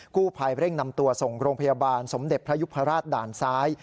กู้ภัยเร่งนำตัวส่งโรงพยาบาลสมเด็จพระยุพราชด่านซ้าย